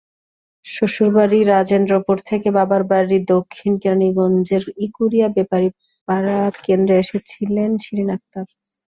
শ্বশুরবাড়ি রাজেন্দ্রপুর থেকে বাবার বাড়ি দক্ষিণ কেরানীগঞ্জের ইকুরিয়া বেপারীপাড়া কেন্দ্রে এসেছিলেন শিরিন আক্তার।